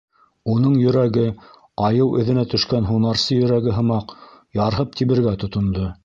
Уның йөрәге, айыу эҙенә төшкән һунарсы йөрәге һымаҡ, ярһып тибергә тотондо.